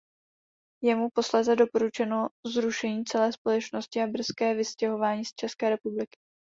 Je mu posléze "doporučeno" zrušení celé společnosti a brzké vystěhování z České republiky.